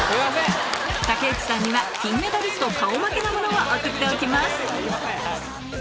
竹内さんには金メダリスト顔負けのものを送っておきます